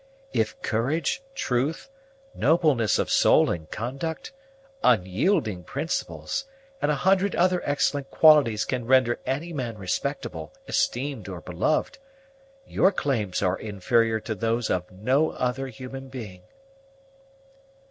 "If courage, truth, nobleness of soul and conduct, unyielding principles, and a hundred other excellent qualities can render any man respectable, esteemed, or beloved, your claims are inferior to those of no other human being."